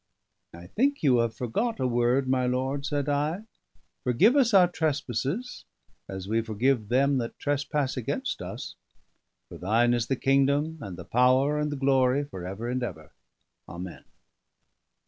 "I think you have forgot a word, my lord," said I. "'Forgive us our trespasses, as we forgive them that trespass against us. For Thine is the kingdom, and the power, and the glory, for ever and ever. Amen.'"